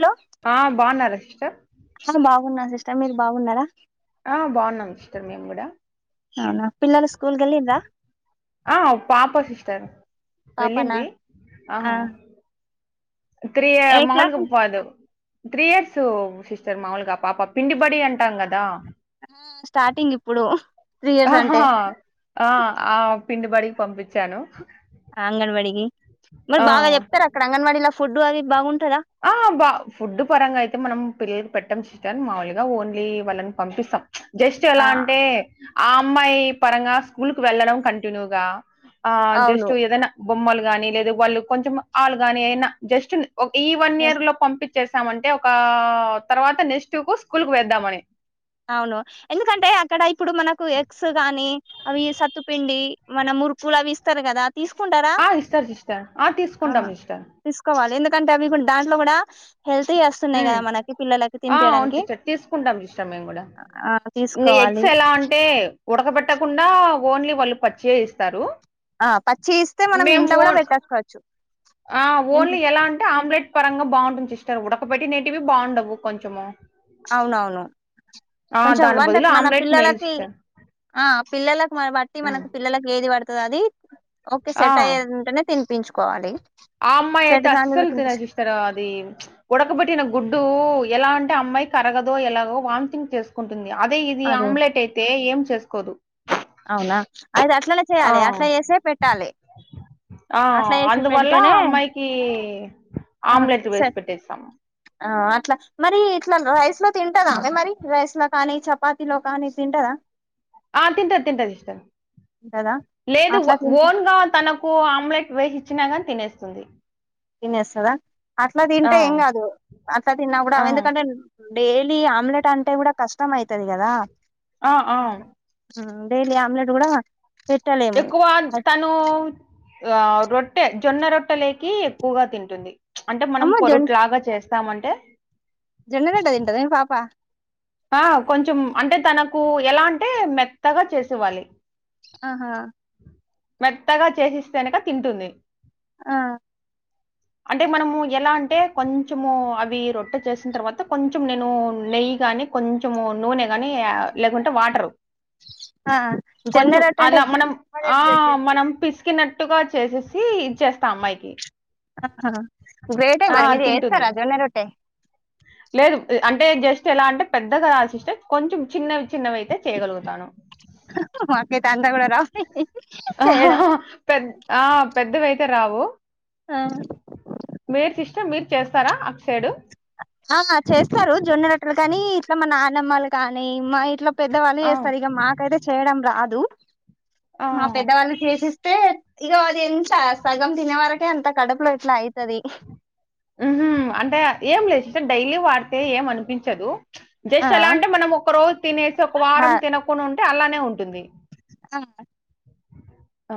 Hello ఆ బాగున్నారా sister ఆ బాగున్నా సిస్టర్ మీరు బాగున్నారా. ఆ బాగున్నాం సిస్టర్ మేము కూడా అవునా పిల్లలు స్కూల్ కెళ్లిదా ఆ పాప సిస్టర్ పాపనా వెళ్ళింది. ఆ త్రీయే ఏ మాల్క్ క్లాస్ పదో త్రీ ఇయర్స్ సిస్టర్ మాములుగా ఆ పాప పిండిబడి అంటాం కదా స్టార్టింగ్ ఇప్పుడు త్రీ ఇయర్స్ ఆహా అంటే ఆ ఆ పిండిబడికి పంపించాను అంగన్వాడీకి మరి ఆ బాగా జేప్తారా అక్కడ అంగన్వాడీ ఫుడ్ అది బాగుంటందా. ఆ బా ఫుడ్ పరంగా అయితే మనం పిల్లలు పెట్టాం సిస్టర్ మాముూలుగా ఓన్లీ వాళ్ళని పంపిసం. జస్ట్ ఎలా ఆ అంటే ఆ అమ్మాయి పరంగా స్కూల్క్ వెళ్ళడం కంటిన్యూగా ఆ జస్ట్ అవును ఏదనా బొమ్మలు గాని లేదా వాళ్ళు కొంచెం ఆళ్లు గాని ఏదనా జస్ట్ ఓ ఈ వన్ ఎస్, ఇయర్ లో పంపించేసామంటే ఒక తర్వాత నెక్స్ట్ కు స్కూల్ వేద్దామని అవును ఎందుకంటే అక్కడ ఇప్పుడు మనకు ఎక్స్ గాని అవి సత్తుపిండి మన మురుకులు అవి ఇస్తారు కదా తీసుకుంటారా ఆ ఇస్తార్ సిస్టర్ ఆ తీసుకుంటాం ఇష్టర్ తీసుకోవాలి ఎందుకంటే అవి కూడా దాంట్లో కూడా హెల్తీ వస్తున్నాయి కదా ఉమ్ మనకి పిల్లలకి ఆ అవును తినిపేయడానికి సిస్టర్ తీసుకుంటాం జిస్టా మేము గూడా నీ తీసుకోవాలి ఎక్స్ ఎలా అంటే ఉడకబెట్టకుండా ఓన్లీ వాళ్ళు పచ్చియే ఇస్తారు. ఆ పచ్చి ఇస్తే మనం మేము ఇంట్లో కూడా ఓన్ పెట్టేసుకోవచ్చు ఆ ఇంట్లో ఓన్లీ ఎలా అంటే ఆమ్లెట్ పరంగా బావుంటుంది సిస్టర్ ఉడకబట్టి నేటివి బావుండవు కొంచెము అవునవును ఆ! కొంచెం దాని వంట బదులు మన ఆమ్లెట్ మేలు పిల్లలకి సిస్టర్. ఆ పిల్లలకు మన బట్టి హ్మ్. మనకు పిల్లలలకు ఏది పడుతది అది ఓకే ఆ! సెట్ అయేదుంటేనే తినిపించుకోవాలి. సెట్ అమ్మైతే కాంది కూడా అస్సలు తీనాధ్ తినిపించు జీష్ సారో అది ఉడకబెట్టిన గుడ్డు ఎలా అంటే అమ్మాయి అరగదో ఎలాగో వామిటింగ్ చేస్ కుంటుంది అదే ఇది ఆమ్లెట్ అయితే ఏం చేసుకోదు అవునా అయిది అట్లనే ఆ! చేయలే అట్లా చేసే పెట్టాలే. ఆ అందువల్ల అమ్మాయికి ఆ ఆమ్లెట్ వేసి సరే పెట్టేసామ్. ఆ అట్లా మరి ఇట్లా రైస్ లో తింటదా ఆమె మరి రైస్ లో కానీ చపాతిలో కానీ తింటదా. ఆ తింటది తింటది ఇష్టం తింటదా లేదు అట్లా తింటే ఓన్గా తన పో ఆమ్లెట్ వేసి ఇచ్చినా గాని తినేస్తుంది. తినేస్తదా అట్లా ఆ! తింటే ఏం కాదు అట్లా తిన్నా కూడా ఆ! ఎందుకంటే డైలీ ఆమ్లెట్ అంటే కూడా కష్టం అయితది కదా ఆ ఆ ఉహ్ డైలీ ఆమ్లేట్ గూడా ఎక్కువాద్ తను ఆ రొట్టె జొన్న రొట్టె లేకి ఎక్కువగా తింటుంది. అంటే మనం అమ్మ జొ పొరుట్లాగా చేస్తామంటే. జొన్న రొట్టె దింటదాండి పాప ఆ కొంచెం అంటే తనకు ఎలా అంటే మెత్తగా చేసివ్వాలి. ఆహా మెత్తగా చేసిస్తేనక తింటుంది. ఆ అంటే మనము ఎలా అంటే కొంచెము అవి రొట్టె చేసిన తర్వాత కొంచెం నేను నెయ్యి గానీ కొంచెము నూనె గాని లేకుంటే వాటరు ఆ జొన్న కొంచెం రొట్టె అంటే అలా మనం ఆ మనం పిసికిన ట్టుగా చేసేసి ఇచ్చేస్తా అమ్మాయికి ఆహా గ్రేటై ఆ మరి మీరు జేస్తార తింటుంది జొన్నే రొట్టె లేదు అంటే జస్ట్ ఎలా అంటే పెద్దగ రా సిస్టర్ కొంచెం చిన్నవి చిన్నవి అయితే చేయగలుగుతాను మాకైతే అంతా కూడ రావ్ చేయడం పెద్ ఆ పెద్దవయితే రావు ఆ మీరు సిస్టర్ మీరు చేస్తార అట్ సైడు ఆ చేస్తారు జొన్న రొట్టలు కానీ ఇట్ల మా నాన్నమ్మలు కానీ మా ఇట్లా పెద్దవాళ్ళు ఆ, చేస్తారు ఇక మాకైతే చేయడం రాదు ఆ, మా పెద్దవాళ్ళు చేసిస్తే ఇగ అది ఎంత సగం తినే వరకే ఎంత కడపులో ఇట్లా అయితది ఉహు అంటే ఏం లేదు డైలీ వాడితే ఏమి అనిపించదు ఆ జస్ట్ ఎలా అంటే మనం ఒక రోజు తినేసి ఒక వారం తినకుండా ఉంటే అలానే ఉంటుంది ఆహ ఆ,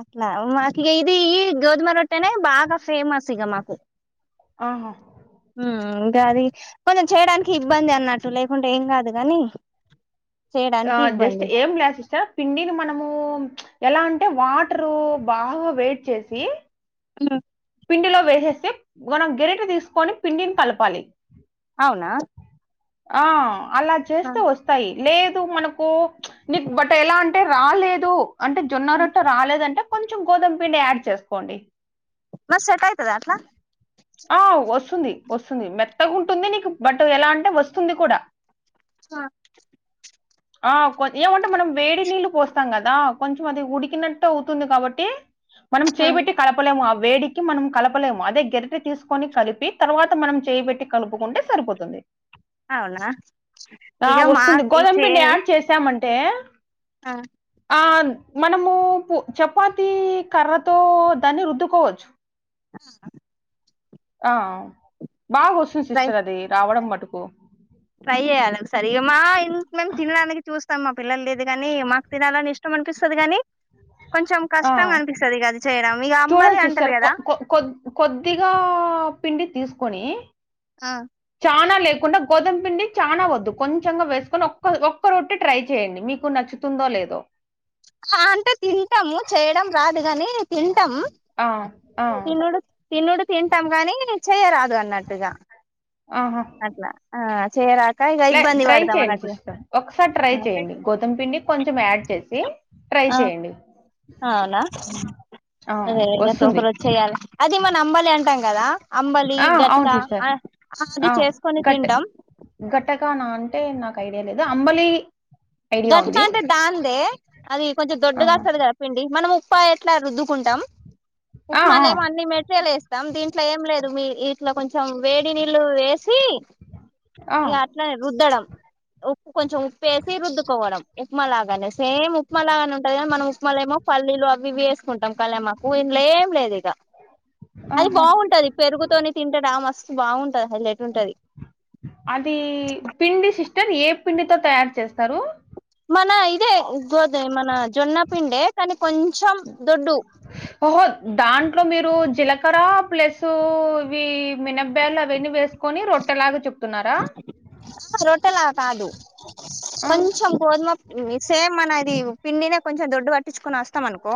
అట్ల మాకు ఇది ఈ గోధుమ రొట్టెనే బాగా ఫేమస్ ఇగ మాకు ఆహ ఉమ్ ఇంక అది కొంచం చేయడానికి ఇబ్బంది అన్నట్టు లేకుంటే ఏం గాదు గాని ఆ జస్ట్ ఏం లే సిస్టర్ పిండిని మనము ఎలా అంటే వాటరు బాగ వేడి చేసి హలో పిండిలో వేసేసి మనం గరిటే తీసుకొని పిండిని కలపాలి అవునా ఆ అలా చేస్తే వస్ తయ్ లేదు మనకు నీ బట్ ఎలా అంటే రాలేదు అంటే జొన్న రొట్టె రాలేదంటే కొంచెం గోధుమ పిండి యాడ్ చేసుకోండి మరి సెట్ అయితదా అట్లా ఆ వస్తుంది వస్తుంది మెత్తగా ఉంటుంది నీకు బట్ ఎలా అంటే వస్తుంది కూడా ఆ ఆ కొ ఏమంటే మనం వేడి నీళ్ళు పోస్తాం కదా కొంచెం అది ఉడికినట్టు అవుతుంది కాబట్టి మనం చేయి పెట్టి కలపలేము ఆ వేడికి మనం కలపలేము అదే గరిటే తీసుకొని కలిపి తర్వాత మనం చేయిబెట్టి కలుపుకుంటే సరిపోత్ అవునా ఆ ఇగ మా వస్తుంది ఇ గోధుమ పిండి యాడ్ చేసామంటే ఆ ఆ మనము చపాతి కర్రతో దాన్ని రుద్దుకోవచ్చు ఆ ఆ బాగ వస్తుంది ట్రై సిస్టర్ అది రావడం మటుకు ట్రై జేయాలి ఒకసారి ఇగ మా ఇంట్ల మేము తినడానికి చూస్తాం మా పిల్లలు లేదు కాని మాకు తినాలని ఇష్ టం అనిపిస్తది గాని కొంచెం ఆ! కష్టం అనిపిస్తది ఇగ అది చేయడం ఇగ చూడండి అమ్మలే అంటరు సిస్టర్ కొ గదా కొ కొద్ కొద్దిగా పిండి తీసుకొని ఆ చాన లేకుండా గోధుమ పిండి చానా వద్దు కొంచెంగా వేసుకొని ఒక్క ఒక్క రొట్టటి ట్రై చేయండి మీకు నచ్చు తుందో లేదో ఆ అంటే తింటాము చేయడం రాదు కాని తింటాము ఆ ఆ! తినుడు తినుడు తింటాం గాని నేను చేయరాదు అన్నట్టుగా ఆహా అట్లా ఆ చేయరా లే ట్రై చేయండి సిస్టర్ ఒకసారి ట్రై చేయండి గోధుమ పిండి కొంచెం యాడ్ చేసి ట్రై ఆ చెయండి అవునా ఆ! అదే లేద వస్తుంది. ఒకరోజు చేయాలి అది మన అంబలి అంటాం కదా అంబలి ఆ! గట్క అవును సిస్టర్. అది చేసుకొని తింటాం గట్టకా నా అంటే నాకు ఐడియా లేదు అంబలి ఐడియా గట్క ఉంది. అంటే దాందే అది కొంచెం దొడ్డుగా ఆహా! వస్తుంది కద పిండి మనం ఉప్పయి ఎట్లా ర కుంటాం ఆ! ఉప్మా ఆ! ఏమో అన్ని మట్ లు వేస్తాం దీంట్లో ఏం లేదు మీ ఇట్లో కొంచెం వేడి నీళ్ళు వే ఎసి ఆ! ఇగ అట్లానే రుద్దడం ఉప్పు కొంచం ఉప్పు వేసి ఉదుకోవడం ఉప్మాలాగానే సేమ్ ఉప్మాలాగానే ఉంటాది కానీ మనం ఉప్మాలే ఏమో పల్లీలు అవి వేసుకుంటాం కలమ ఊ ఇన్లో ఏం లేదు ఇక అది ఆహా! బాగుంటది పెరుగుతోనే తింటే బా మస్తు బాగుంటది హైలెట్ ఉంటది అది పిండి సిస్టర్ ఏ పిండితో తయారు చేస్తారు మన ఇదే గోద మన జొన్న పిండే కానీ కొంచెం దొడ్డు ఓహో దాంట్లో మీరు జీలకర్ర ప్లస్ ఇవి మినబ్బేలు అవన్నీ వేస్త కొని రొట్టెలాగా చెప్తున్నారా ఆ రొట్టెలా కాదు ఆ! కొంచెం గోధమ సేమ్ మనది పిండినే కొంచెం దొడ్డు పట్టించుకుని వస్తాం అనుకో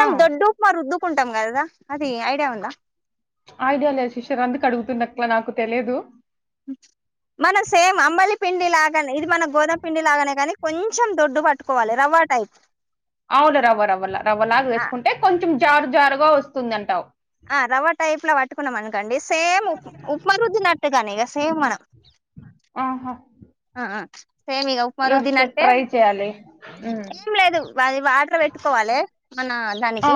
ఆ! దొడ్డు ఉప్మా రుద్దుకుంటాం కదా అది ఐడియా ఉందా ఐడియా లేదు సిస్టర్ అందుకు అడుగుతున్న అట్లా నాకు తెలిదు మనం సేమ్ అంబలి పిండి లాగానే ఇది మన గోధుమ పిండి లాగానే కానీ కొంచెం దొడ్డు పట్టుకోవాలి రవ్వ టైప్ అవును రవ్వ రవ్వ రవ్వలాగా ఆ వేసుకుంటే కొంచెం జారు జారుగా వస్తుంది అంటావు ఆ రవ్వ టైప్ లో పట్టుకున్నాం అనుకండి సేమ్ ఉప్ ఉప్మా రుద్దినట్టుగానే ఇక సేమ్ మనం ఆహా ఆ సేమిగా ఏమో సిస్టర్ ట్రై చేయ్యాలి ఏం లేదు అది వాటర్ పెట్టుకోవాలి మన ఆ, దానికి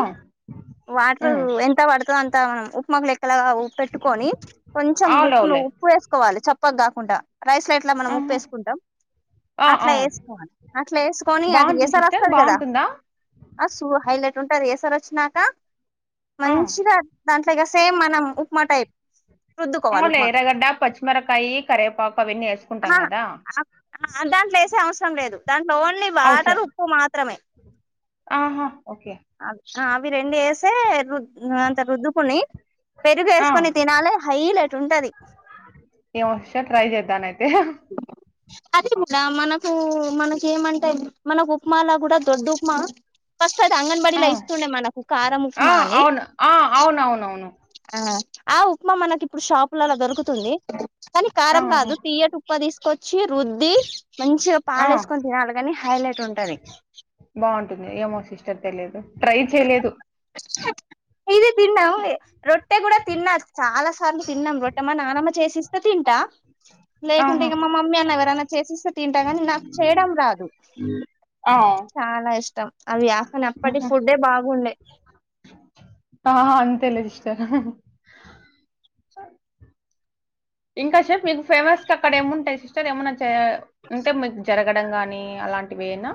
వాటర్ ఉమ్, ఎంత పడుతదొ అంత మనం ప్మా కు లెక్కలా పెట్టుకొని కొంచెం ఉ అవును అవులే ఉప్పు వేసుకోవాలి చప్ప కాకుండా రైస్ ల అట్ల మనం ఆహా, ఉప్పువేసుకుంటాం ఆ, అట్లా ఆ. వేసుకోవాలి అట్లా వేసుకున్ నీ అది బాగుంటుంది ఏసారి సిస్టర్ వస్తంది కదా బాగుంటుందా అ సూ హైలైట్ ఉంటాది ఏసార్ వచ్చినాక ఆ, మంచిగా దాంట్లో ఇలాగా సేమ్ మనం ఉప్మా టైప్ రుద్దుకోవాలి అవునులే ఉప్మా ఎర్రగడ్డ పచ్చిమిరకాయ కరవేపాకు అవన్నీ ఆ వేసుకుంటాం కదా ఆ, దాంట్లో ఏసే అవసరం లేదు దాంట్లో ఓన్లీ వాటర్ అవసరం ఉప్పు మాత్రమే ఆహా ఓకే అ అవి రెండు వేసే రుద్ అంత రుద్దుకుని పెరుగు ఆ, వేసుకొని తినాలి హైలైట్ ఉంటది ఏమో ఒకసారి ట్రై చేస్తాను అయితే అదే కూడా మనకు మనకేమంటే మనకు ఉప్మాలో కూడా దొడ్డు ఉప్మా ఫస్ట్ అది ఆ, అంగన్వాడీలో ఇస్తుండే మనకు కారం ఆ, ఉప్మా అని అవును ఆ, అవును అవును అవును ఆ ఉప్మా మనకి ఇప్పుడు షాపలలో దొరుకుతుంది కానీ కారం ఆహా, కాదు తీయ ఉప్మా తీసుకొచ్చి రుద్ది మంచిగా ఆ, పాలేసుకొని తినాలి కాని హైలైట్ ఉంటది బాగుంటుంది ఏమో సిస్టర్ తెలియదు ట్రై చేయలేదు ఇది తిన్నాము రొట్టె కూడా తిన్నా చాలా చాలా సార్లు తిన్నాం రొట్ట మా నానమ్మ చేసిస్తే తింటా లేకుంటే ఆహా ఇగ మా మామ్ ముందేన ఎవరనా చేసిస్తే తింటా కానీ నాకు చేయడం రాదు ఆ చాలా ఇష్టం అవి అకనప్పటి ఆహా, ఫుడ్డే బాగుండే ఆ అంతేలే సిస్టర్ ఇంకా చెప్ప మీకు ఫేమస్ గా అక్కడ ఏముంటాయి సిస్టర్ ఏమన్నా చేయ ఉంటే మీకు జరగ అడం గాని అలాంటివేనా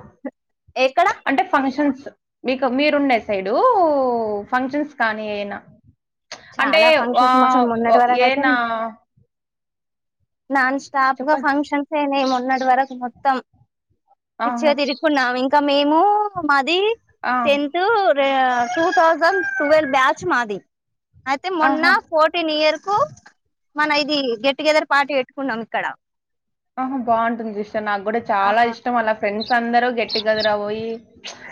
ఎక్కడ అంటే ఫంక్షన్స్ మీకు మీరుండే సైడు ఫంక్షన్స్ కానీ అయినా అంటే చాలా వా ఫంక్షన్స్ అసలు వా మొన్నటి వరకు అయితే ఏనా నాన్ స్టాప్ గా చెప్పండి ఫంక్షన్స్ అయినాయి మొన్నటి వరకు మొత్తం పిచ్చే ఆహా తిరిగి కున్నాం ఇంకా మేము మాది ఆహా, టెన్త్ టూ రే టూ థౌసండ్ ట్వెల్వ్ బ్యాచ్ మాది అయితే మొన్న ఆహా ఫోర్ ఫిఫ్టీన్ ఇయర్ కు మన ఇది గెట్ టుగెదర్ పార్టీ పెట్టుకున్నాం ఇక్కడ ఆహా బాగుంటుంది సిస్టర్నాకు కూడా ఆ చాలా ఇష్టం అలా ఫ్రెండ్స్ అందరూ గేట్ టు గెదర అవ్వి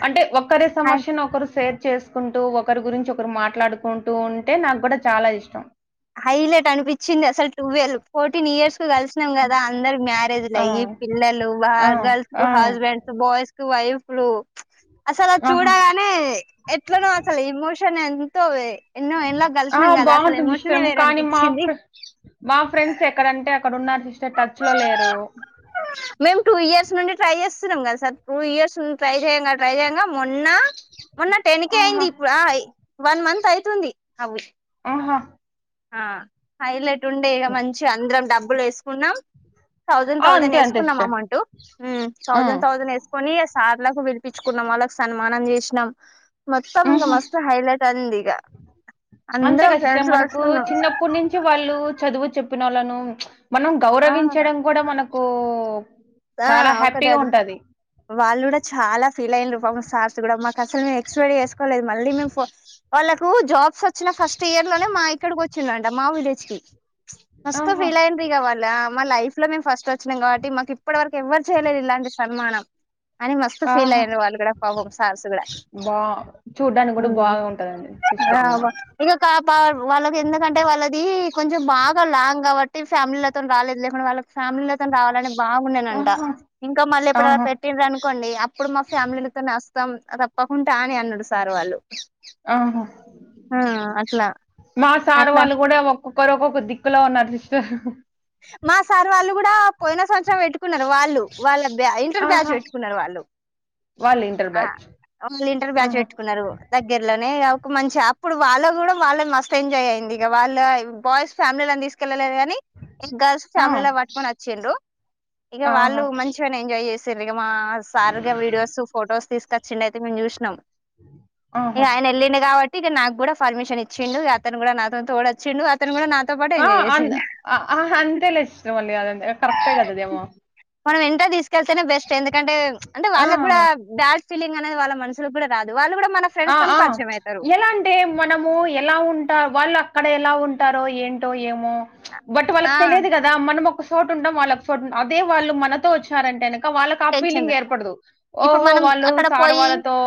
అంటే ఒక్కరే సమస్యను ఒకరు షేర్ చేసుకుంటూ ఒకరి గురించి ఒకరు మాట్లాడుకుంటూ ఉంటే నాకు గుడా చాలా ఇష్టం హైలెట్ అనిపించింది అసలు టువెల్వ్ ఫోర్టీన్ ఇయర్స్ కు కలిసి కున్నాం కదా అందరు మ్యారేజ్ లు ఆ, అయ్యి పిల్లలు బా ఆ, గర్ల్స్ కు ఆ, హస్బెండ్ బాయ్స్ కి వైఫ్లు అసలు అ ఆహా చూడగా ట్నే ఎట్లనో అసలు ఎమోషన్ ఎంతో ఎన్నో ఏండ్లకు కలిసినాం కదా అసలు ఎమోషన్ కొంచెం కానీ మా మా ఫ్రెండ్స్ ఎక్కడంటే అక్కడ ఉన్నారు సిస్టర్ టచ్ లో లేరు మేము టూ ఇయర్స్ నుండి ట్రై చేస్తున్నాం కదా సార్ టూ ఇయర్స్ నుడి ట్రై చేయబ ట్రైజేయంగామొన్న మొన్న టెన్కే ఆహా అయింది ఇప్పుడు ఆ వన్ మంత్ అయితుంది అవ్వి ఆహా ఆ హైలైట్ ఉండే ఇగ మంచి అందరం డబ్బులు వేసు న్నాం థౌసండ్, ఆ థౌసండ్ అంతే అంతే వేసుకున్నాం సిస్టర్ అమౌంటు మ్ తౌసండ్ ఉమ్ తౌసండ్ తౌసండ్ ఎసుకొని ఇగ సార్లకు పిలిపించుకున్నాం వాళ్ళకు సన్మానం చేసినాం మొత్తం ఇంకా ఉహు మస్తు హైలైట్ అయింది ఇగ అందరం ఫ్రెండ్స్ కలుసుకున్నాం అప్పటి నుంచి వాళ్ళు చదువు చెప్పిన వాళ్ళను మనం ఆ గౌరవించడం కూడా మనకు ఆ చాలా ఒకటి హ్యాపీగా అది ఉంటది వాళ్ళు కూడా చాలా ఫీల్ అయిన్రు పాపం సార్స్ కూడా మాకు అసలు మేము ఎక్స్వేడి చేసుకోలేదు మళ్ళీ మేము వాళ్ళకు జాబ్స్ వచ్చిన ఫస్ట్ ఇయర్ లోనే మా ఇక్కడికి వచ్చిండంట మా విలేజ్ కి మస్త ఆహా ఫీల్ అయ్యిండ్రు ఇగ వాళ్ళ మా లైఫ్ లో మేము ఫస్ట్ వచ్చినాం కాబట్టి మాకు ఇప్ ఇప్పుడువర్కి ఎవరు చేయలే ఇలాంటి సన్మానం అని మస్త ఫీల్ ఆహా అయిండ్రు వాళ్ళు కూడా పాపం సార్సు కూడా బా చూడ్డానికి కూడా బాగా ఉంటదండి సిస్టర్ ఆ ఇక కా పా వాళ్ళకి ఎందుకంటే వాళ్ళది కొంచెం బాగా లాంగ్ కాబట్టి ఫ్యామిలీలతో రాలేదు లేకుంటే వాళ్ళ ఫ్యామిలీలతోని రావాలని బాగుండేనంట ఆహా ఇంకా మళ్ళీ ఎప్పుడన్న ఆహా పె ట్టి అనుకోండి అప్పుడు మా ఫ్యామిలీలతోని అస్తాం తప్పకుంటే ఆని అన్నాడు సార్ వాళ్ళు ఆహా ఆ అట్లా మా సార్ అట్లా వాళ్ళు కూడా ఒ ఒకరు ఒకొక్కరు దిక్కులో ఉన్నారు సిస్టర్ మా సార్ వాళ్ళు కూడా పోయిన సంవత్సరం పెట్టుకున్నారు వాళ్ళు వాళ్ళ బె ఇంటర్ ఆహా! బ్యాచ్ పెట్టుకున్నారు వాళ్ళు వాళ్ళు ఇంటర్ ఆ బ్యాచ్. వాళ్ళు ఇంటర్ బ్యాచ్ ఆహా! పెట్టుకున్నారు దగ్గర్లోనే ఒక మంచి అప్పుడు వాళ్ళ కూడా వాళ్ళ మస్తు ఎంజాయ్ అయింది ఇగ వాళ్ళ బాయ్స్ ఫ్యామిలీ అని తీసుక్ కేళ్ళలేరు గానీ ఇ గర్ల్స్ ఆ! ఫ్యామిలీలో పట్టుకొని వచ్చిండు ఇగ వాళ్ళు ఆహా! మంచిగనే ఎంజాయ్ చేస్ సరిగా మా సార్గా వీడియోస్ ఫొటోస్ తీసుకొచ్చిండు అయితే మేము చూసినాం ఇగ ఆహా! ఆయన ఎళ్ళిన కాబట్ట్ ట్టి ఇగ నాకు కూడా పర్మిషన్ ఇచ్చిండు అతను కూడా నా తోన్తో కూడా వచ్చిండు ఆ అంద్ అ అంతేలే ఇష్టమండి అంత కరెక్టే గదదేమో మనం ఎంట తీసుకెళ్తేనే బెస్ట్ ఎందుకంటే అంటే ఆ! వాళ్ళ కూడా బాడ్ ఫీలింగ్ అనేది వాళ్ళ మనుసులో కూడా రాదు వాళ్ళు కూడా మన ఆ ఫ్రెండ్స్ తోని ఆ పరిచయం అవుతారు ఎలా అం టే మనము ఎలా ఉంటా వాళ్ళు అక్కడ ఎలా ఉంటారో ఏంటో ఏమో బట్ వాళ్ళక్ ఆ తెలిదు కదా మనం ఒక చోటు ఉంటాం వాళ్ళ ఒక చోటు ఉంట అదే వాళ్ళు మనతో వచ్చారంటేన ఇంక వాళ్ళకా టెన్షన్ ఫీలింగ్ ఏర్పడదు ఇప్పుడు ఓహో మనం వాళ్ళు అక్కడ సార్ పోయి వాళ్ళతో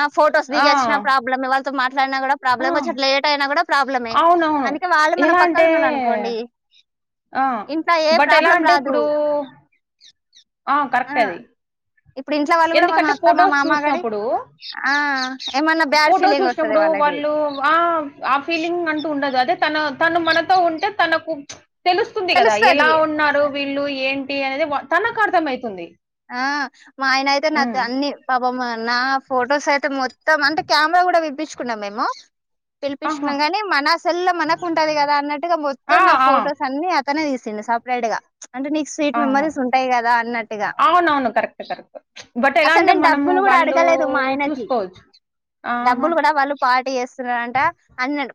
ఆ ఫొటోస్ ఆ! దిగి వచ్చినా ప్రాబ్లమ్ వాళ్ళతో మాట్లాడినా కూడా ఆ! ప్రాబ్లమ్ చెప్పలేటి అయినా కూడా ప్రాబ్లమే అవునవును. అందుకే వాళ్ళు మన ఎలా పక్కనే అంటే ఉన్నాననుకోండి ఆ ఇంకా ఏ బట్ ఎలా ప్రాబ్లం అంటే రాదు ఇప్పుడు ఆ కరెక్ట్ అది ఇప్పుడు ఇంట్లో వాళ్ళు కూడా మా ఎందుకంటే అత్త మా ఫోటోస్ మామ గడి చూసినప్పుడు ఆ ఏమన్నా బ్యాడ్ ఫోటో ఫీలింగ్ వస్తది చూసినప్పుడు వాళ్ళకి వాళ్ళు ఆ ఆ ఫీలింగ్ అంటూ ఉండదు అదే తన తన మనతో ఉంటే తనకు తెలుస్తుంది కదా ఎలా తెలుస్తది ఉన్నారు వీళ్ళు ఏంటి అనేది తనకు అర్థంమయితుంది ఆ మా ఆయన అయితే నాతో అన్ని పాపమ్మా నా ఫొటోస్ అయితే మొత్తం అంటే కెమెరా కూడా విప్పించుకున్నాం మేము ఆహా పిలిపించున్నాం గాని మన సెల్లో మనకుంటది కదా అన్నట్టుగా ఆ మొత్తం నా ఆ ఫొటోస్ అన్ని అతనే తీసిండి సెపరేట్గా అంటే నీకు స్వీట్ ఆహా మెమరీస్ ఉంటాయి కదా అన్నట్టుగా అవునవును కరెక్ట్ కరెక్ట్ బట్ ఎలా అసలు అంటే నేను మనము డబ్బులు కూడా వాళ్ళు అడగలేదు మా ఆయనకి చూసుకోవచ్చు డబ్బులు ఆహా కూడా వాళ్ళు పాడు ఎస్తున్నరంట అన్న